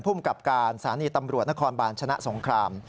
ภูมิกับการสถานีตำรวจนครบาลชนะสงคราม